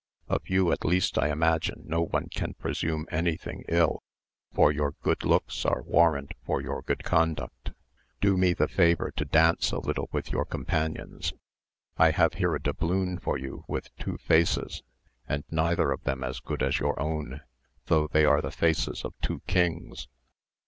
"Of you at least I imagine no one can presume anything ill, for your good looks are warrant for your good conduct. Do me the favour to dance a little with your companions. I have here a doubloon for you with two faces, and neither of them as good as your own, though they are the faces of two kings."